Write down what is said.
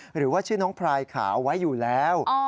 หรือว่าชื่อน้องพลายขาวไว้อยู่แล้ว